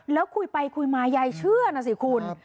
แล้วคุยไปคุยมายายเชื่อนะสิคุณ